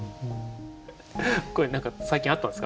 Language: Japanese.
これ何か最近あったんですか？